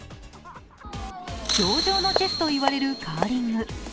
氷上のチェスといわれるカーリング。